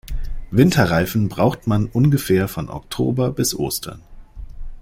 Winterreifen braucht man ungefähr von Oktober bis Ostern.